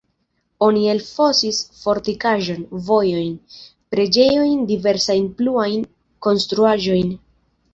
Oni elfosis fortikaĵon, vojojn, preĝejojn, diversajn pluajn konstruaĵojn.